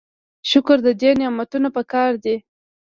شکر د دې نعمتونو پکار دی.